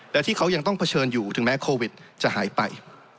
และที่เขายังต้องเผชิญอยู่ถึงแม้โควิดจะหายไป